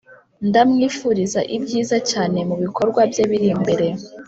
ndamwifuriza ibyiza cyane mubikorwa bye biri imbere.